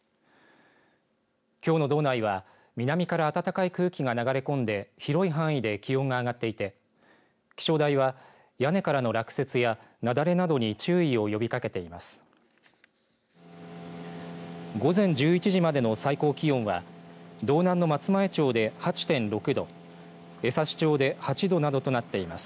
きょうの道内は南から暖かい空気が流れ込んで広い範囲で気温が上がっていて、気象台は屋根からの落雪や雪崩などに注意を呼びかけています。